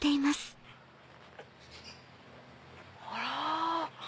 あら。